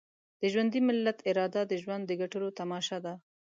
د ژوندي ملت اراده د ژوند د ګټلو تماشه ده.